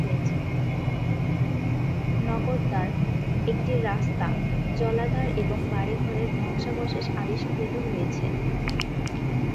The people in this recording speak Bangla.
নগরদ্বার, একটি রাস্তা, জলাধার এবং বাড়িঘরের ধ্বংসাবশেষ আবিষ্কৃত হয়েছে।